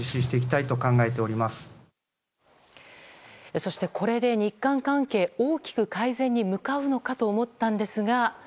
そしてこれで日韓関係大きく改善に向かうのかと思ったんですが。